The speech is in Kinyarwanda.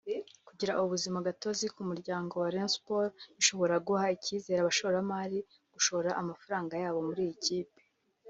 Kugira ubuzima gatozi k’umuryango wa Rayon Sports bishobora guha icyizere abashoramari gushora amafaranga yabo muri iyi kipe